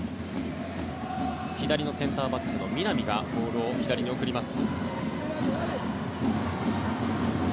左のセンターバックの南がボールを左に送ります。